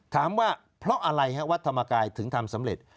ถามว่าเพราะอะไรฮะวัดธรรมกายถึงทำสำเร็จ